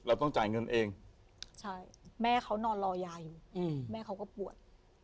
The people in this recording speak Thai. ต้องจ่ายเงินเองใช่แม่เขานอนรอยาอยู่แม่เขาก็ปวด